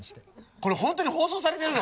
これ本当に放送されてるの？